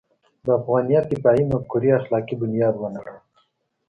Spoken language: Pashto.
د افغانیت دفاعي مفکورې اخلاقي بنیاد ونړوي.